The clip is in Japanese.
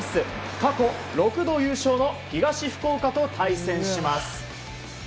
過去６度優勝の東福岡と対戦します。